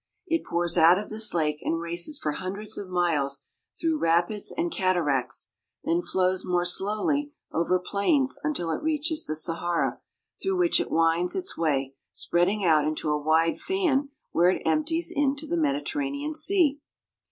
It pours out of this lake and races for hundreds of miles through rapids and cataracts, then flows mure slowlv over plains until it reaches the Sahara, Lhiough which it winds its way, spreading out into a wide fan where it empties into the Mediterranean Sea.